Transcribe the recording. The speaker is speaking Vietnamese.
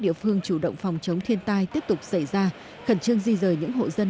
địa phương chủ động phòng chống thiên tai tiếp tục xảy ra khẩn trương di rời những hộ dân